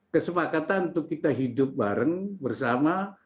kesepakatan untuk kita hidup bareng bersama